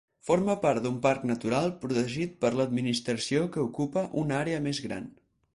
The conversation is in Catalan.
Forma part d'un parc natural protegit per l'administració que ocupa una àrea més gran.